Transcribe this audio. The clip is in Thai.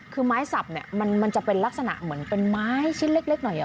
คือไม้สับเนี่ยมันจะเป็นลักษณะเหมือนเป็นไม้ชิ้นเล็กหน่อย